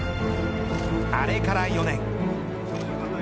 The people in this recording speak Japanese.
あれから４年。